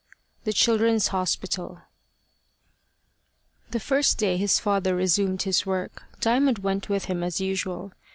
THE CHILDREN'S HOSPITAL THE first day his father resumed his work, Diamond went with him as usual.